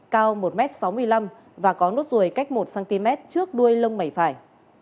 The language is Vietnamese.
cao một m sáu mươi năm và có nốt ruồi cách một cm trước đuôi lông mẩy phải